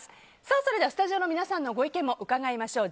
それではスタジオの皆さんのご意見も伺いましょう。